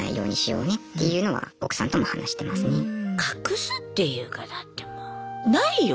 隠すっていうかだってもうないよ